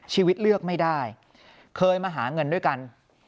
ชีวิตเลือกไม่ได้เคยมาหาเงินด้วยกัน